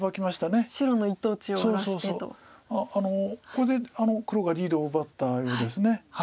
ここで黒がリードを奪ったようです。